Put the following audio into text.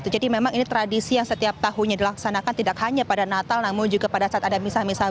jadi memang ini tradisi yang setiap tahunnya dilaksanakan tidak hanya pada natal namun juga pada saat ada misah misah